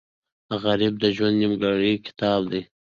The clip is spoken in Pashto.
غریب د ژوند نیمګړی کتاب دی